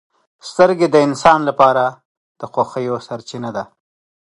• سترګې د انسان لپاره د خوښیو سرچینه ده.